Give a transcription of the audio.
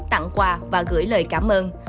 tặng quà và gửi lời cảm ơn